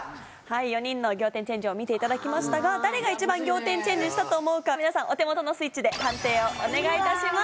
４人の仰天チェンジを見ましたが誰が一番仰天チェンジしたと思うか皆さんお手元のスイッチで判定をお願いいたします。